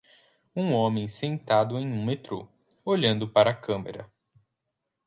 Um homem sentado em um metrô, olhando para a câmera.